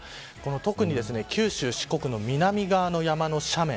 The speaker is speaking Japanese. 特に九州、四国の南側に山の斜面